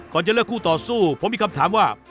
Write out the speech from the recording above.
จะเลือกคู่ต่อสู้ผมมีคำถามว่า